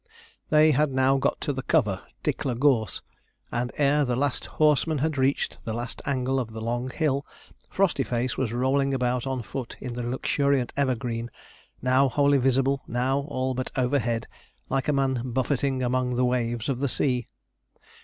They had now got to the cover, Tickler Gorse, and ere the last horsemen had reached the last angle of the long hill, Frostyface was rolling about on foot in the luxuriant evergreen; now wholly visible, now all but overhead, like a man buffeting among the waves of the sea.